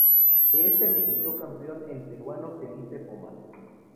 De este resultó campeón el peruano Felipe Pomar.